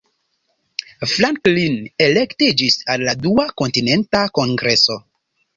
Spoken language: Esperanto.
Franklin elektiĝis al la Dua Kontinenta Kongreso.